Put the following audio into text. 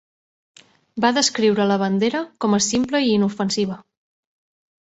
Va descriure la bandera com a simple i inofensiva.